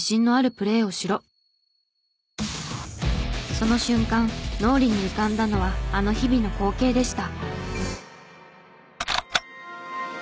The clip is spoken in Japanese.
その瞬間脳裏に浮かんだのはあの日々の光景でした。